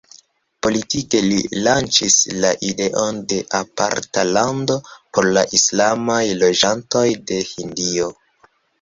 Politike li lanĉis la ideon de aparta lando por la islamaj loĝantoj de Hindio.